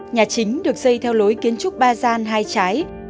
nhà chính được xây theo lối kiến trúc ba gian hai trái